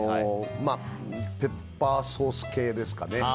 ペッパーソース系ですかね。